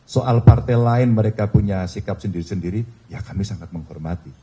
soal partai lain mereka punya sikap sendiri sendiri ya kami sangat menghormati